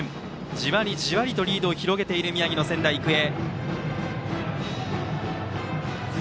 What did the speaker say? じわりじわりとリードを広げる宮城の仙台育英。